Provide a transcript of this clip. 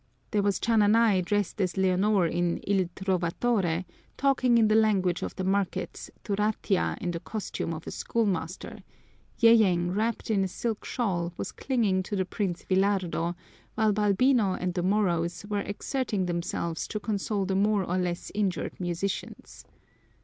There was Chananay dressed as Leonor in Il Trovatore, talking in the language of the markets to Ratia in the costume of a schoolmaster; Yeyeng, wrapped in a silk shawl, was clinging to the Prince Villardo; while Balbino and the Moros were exerting themselves to console the more or less injured musicians.